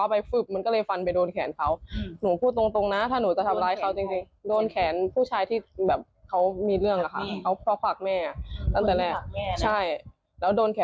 สิบคนประมาณแปดคนใช่ไหมคะ